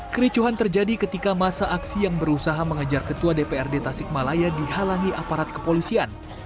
kericuhan terjadi ketika masa aksi yang berusaha mengejar ketua dprd tasikmalaya dihalangi aparat kepolisian